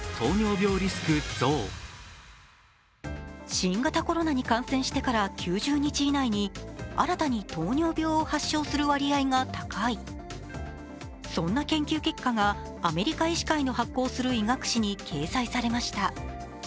新型コロナに感染してから９０日以内に新たに糖尿病を発症する割合が高い、そんな研究結果がアメリカ医師会の発行する医学誌に掲載されました。